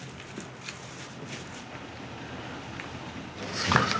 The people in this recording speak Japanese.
すみません。